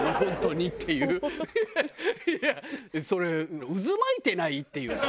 それ渦巻いてない？っていうさ。